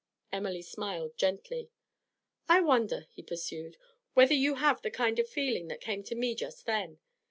Emily smiled gently. 'I wonder,' he pursued, 'whether you have the kind of feeling that came to me just then?